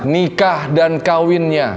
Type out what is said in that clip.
nikah dan kawinnya